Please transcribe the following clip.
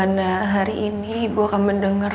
nah hari ini ibu akan mendengar